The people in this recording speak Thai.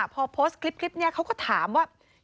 พอโพสต์คลิปนี้เขาก็ถามว่า